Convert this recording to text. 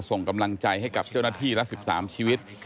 ส่งกำลังใจให้กับเจ้าหน้าที่ละ๑๓ชีวิต